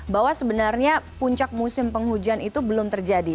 bahwa sebenarnya puncak musim penghujan itu belum terjadi